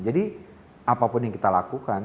jadi apapun yang kita lakukan